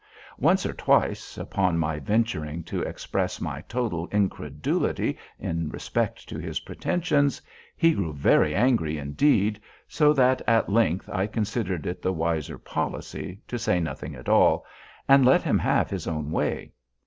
Once or twice, upon my venturing to express my total incredulity in respect to his pretensions, he grew very angry indeed, so that at length I considered it the wiser policy to say nothing at all, and let him have his own way.